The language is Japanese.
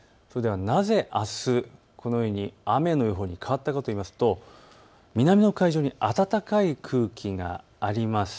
なぜあすこのように雨の予報に変わったかといいますと、南の海上に暖かい空気があります。